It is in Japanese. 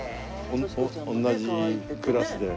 同じクラスで。